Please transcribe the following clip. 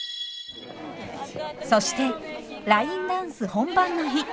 そしてラインダンス本番の日。